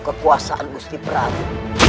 kekuasaan gusti prabu